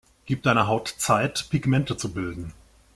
Gib deiner Haut Zeit, Pigmente zu bilden.